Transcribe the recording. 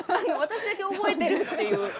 私だけ覚えてるっていう。